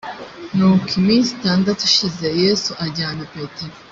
nuko iminsi itandatu ishize yesu ajyana petero